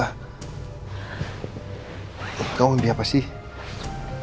kakak kamu mimpi apa sih